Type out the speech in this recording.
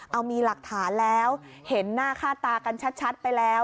เอามีหลักฐานแล้วเห็นหน้าค่าตากันชัดไปแล้ว